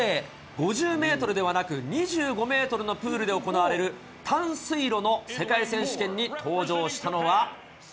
５０メートルではなく、２５メートルのプールで行われる短水路の世界選手権に登場したのは。